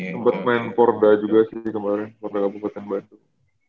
sempat main porda juga sih kemarin porda kabupaten bandung